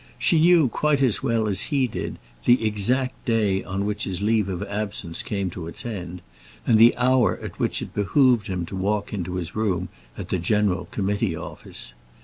She knew quite as well as he did the exact day on which his leave of absence came to its end, and the hour at which it behoved him to walk into his room at the General Committee Office.